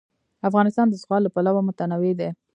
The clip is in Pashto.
افغانستان د زغال له پلوه متنوع دی.